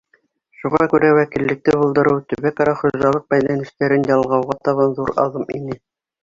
Шуға күрә вәкиллекте булдырыу төбәк-ара хужалыҡ бәйләнештәрен ялғауға табан ҙур аҙым ине.